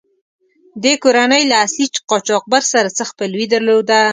دې کورنۍ له اصلي قاچاقبر سره څه خپلوي درلوده.